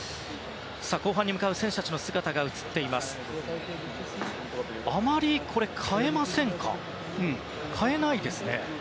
さあ、後半に向かう選手たちの姿が映っていますがあまり代えないですね。